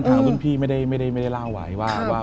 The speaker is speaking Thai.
รุ่นพี่ไม่ได้เล่าไว้ว่า